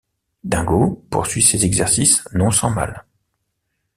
Dingo poursuit ses exercices non sans mal.